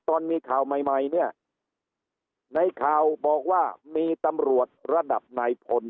ตอนมีข่าวใหม่ใหม่เนี่ยในข่าวบอกว่ามีตำรวจระดับนายพล